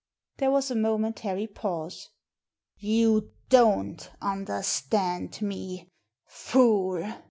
" There was a momentary pause. " You don't understand me, fool